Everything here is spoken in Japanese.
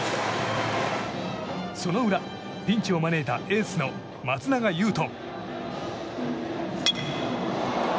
その裏、ピンチを招いたエースの松永優斗。